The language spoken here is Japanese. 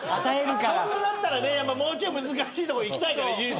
ホントだったらねもうちょい難しいとこいきたいから。